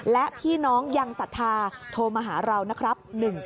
และพี่น้องยังศรัทธาโทรมาหาเรานะครับ